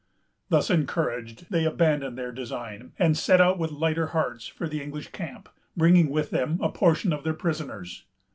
Thus encouraged, they abandoned their design, and set out with lighter hearts for the English camp, bringing with them a portion of their prisoners.